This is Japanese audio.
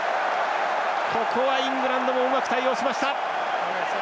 ここはイングランドもうまく対応しました。